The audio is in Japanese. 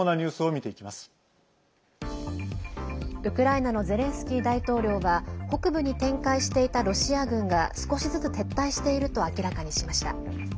ウクライナのゼレンスキー大統領は北部に展開していたロシア軍が少しずつ撤退していると明らかにしました。